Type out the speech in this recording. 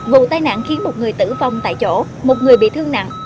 vụ tai nạn khiến một người tử vong tại chỗ một người bị thương nặng